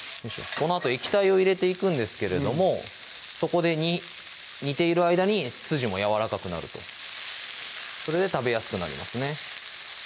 このあと液体を入れていくんですけれどもそこで煮ている間に筋もやわらかくなるとそれで食べやすくなりますね